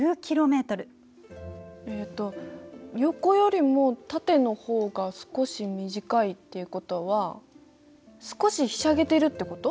えっと横よりも縦の方が少し短いっていうことは少しひしゃげてるってこと？